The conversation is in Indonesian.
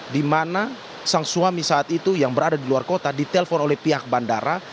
di mana sang suami saat itu yang berada di luar kota ditelepon oleh pihak bandara